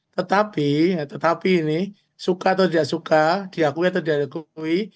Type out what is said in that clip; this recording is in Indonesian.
tetapi tetapi ini suka atau tidak suka diakui atau diakui